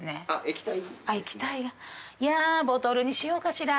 「液体」いやボトルにしようかしら。